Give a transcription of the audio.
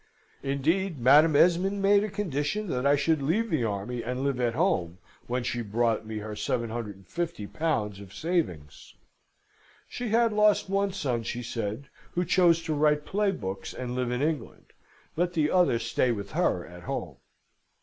Indeed, Madam Esmond made a condition that I should leave the army, and live at home, when she brought me her 1750 pounds of savings. She had lost one son, she said, who chose to write play books, and live in England let the other stay with her at home.